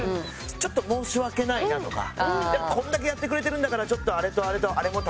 ちょっと申し訳ないなとかこれだけやってくれてるんだからちょっとあれとあれとあれも頼もうかなとか。